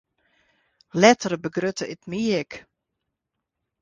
Letter begrutte it my ek.